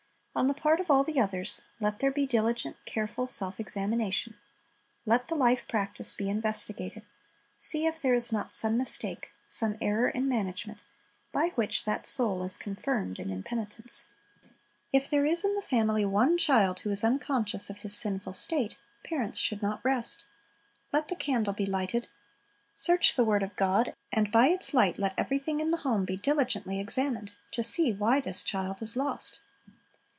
On the part of all the others, let there be diligent, careful self examination. Let the life practise be investigated. See if there is not some mistake, some error in management, by which that soul is confirmed in impenitence. "This Man RcceivctJi Sinners'' 195 If there is in the family one child who is unconscious of his sinful state, parents should not rest. Let the candle be lighted. Search the word of God, and by its light let everything in the home be diligently examined, to see why this child is lost.